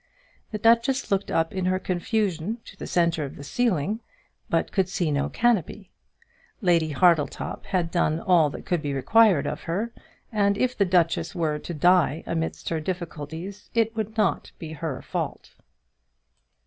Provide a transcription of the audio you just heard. The duchess looked up in her confusion to the centre of the ceiling, but could see no canopy. Lady Hartletop had done all that could be required of her, and if the duchess were to die amidst her difficulties it would not be her fault.